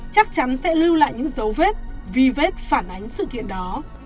chắc chắn sẽ lưu lại những dấu vết vi vết phản ánh sự kiện đó